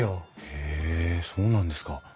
へえそうなんですか。